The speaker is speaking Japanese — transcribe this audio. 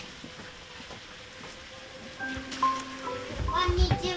こんにちは！